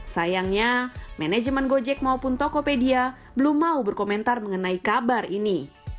sayangnya manajemen gojek maupun tokopedia belum mau berkomentar mengenai kabar ini